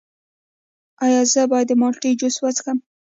ایا زه باید د مالټې جوس وڅښم؟